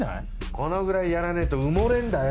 このぐらいやらねえと埋もれんだよ。